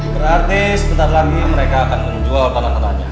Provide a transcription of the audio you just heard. berarti sebentar lagi mereka akan menjual tanah tanahnya